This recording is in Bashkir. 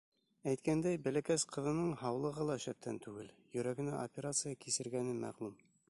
Әйткәндәй, бәләкәс ҡыҙының һаулығы ла шәптән түгел: йөрәгенә операция кисергәне мәғлүм.